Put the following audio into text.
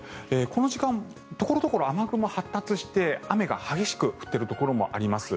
この時間、所々、雨雲発達して雨が激しく降っているところもあります。